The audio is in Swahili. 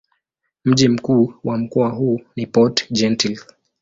Mji mkuu wa mkoa huu ni Port-Gentil.